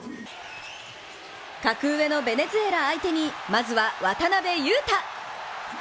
格上のベネズエラ相手にまずは、渡邊雄太！